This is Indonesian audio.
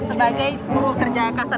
sebagai guru kerja kasar